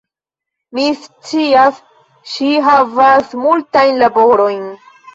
Mi scias, ŝi havas multajn laborojn